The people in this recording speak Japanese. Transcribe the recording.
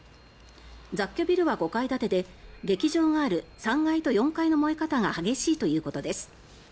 雑居ビルは５階建てで劇場がある３階と４階の燃え方が激しいということです。